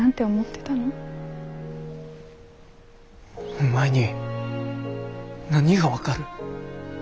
お前に何が分かる。